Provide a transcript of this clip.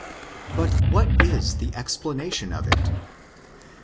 But what is the explanation of it?